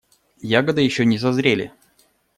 Ягоды еще не созрели.